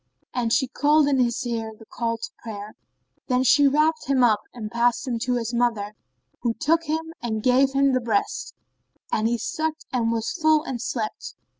and she called in his ear the call to prayer. Then she wrapped him up and passed him to his mother, who took him and gave him the breast; and he sucked and was full and slept.